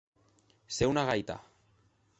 Ser una gaita.